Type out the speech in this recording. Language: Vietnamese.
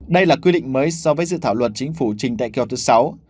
đây là quy định mới so với dự thảo luật chính phủ trình tại kế hoạch thứ sáu